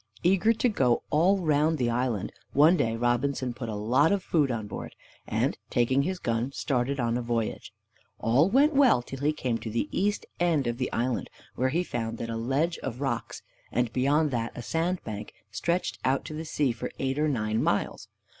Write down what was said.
Eager to go all round the island, one day Robinson put a lot of food on board, and, taking his gun, started on a voyage. All went well till he came to the east end of the island, where he found that a ledge of rocks, and beyond that a sand bank, stretched out to sea for eight or nine miles.